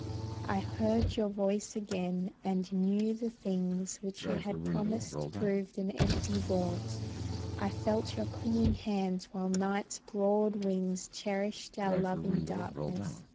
I heard your voice again, and knew the things Which you had promised proved an empty vaunt. I felt your clinging hands while night's broad wings Cherished our love in darkness.